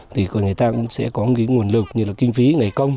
thì người ta cũng sẽ có nguồn lực như kinh phí ngày công